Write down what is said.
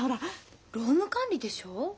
労務管理でしょ？